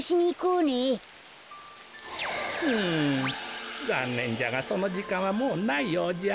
うんざんねんじゃがそのじかんはもうないようじゃ。